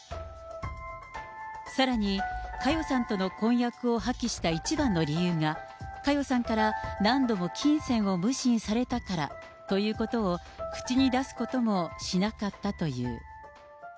さらに、佳代さんとの婚約を破棄した一番の理由が、佳代さんから何度も金銭を無心されたからということを、口に出すこともしなかったという。